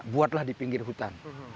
buatlah di pinggir hutannya